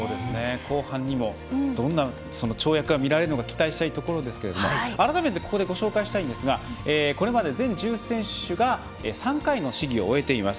後半にどんな跳躍が見れるのか期待ですが改めてご紹介したいんですがこれまで全１０選手が３回の試技を終えています。